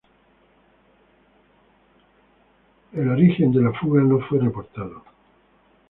El origen de la fuga no fue reportado.